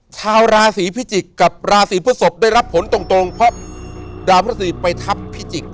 ชาวราศีพิจิกษ์กับราศีพฤศพได้รับผลตรงเพราะดาวพระศรีไปทับพิจิก